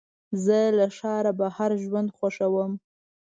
زه له ښاره بهر ژوند خوښوم.